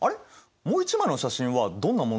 もう一枚の写真はどんなものだったっけ？